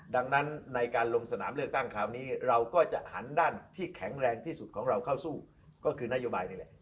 ดังนั้นในการลงสนามเลือกตั้งคราวนี้เราก็จะหันด้านที่แข็งแรงที่สุดของเราเข้าสู้ก็คือนโยบายนี่แหละ